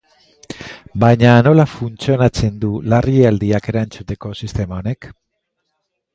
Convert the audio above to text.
Baina nola funtzionatzen du larrialdiak erantzuteko sistema honek?